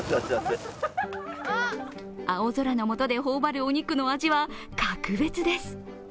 青空のもとで頬張るお肉の味は格別です。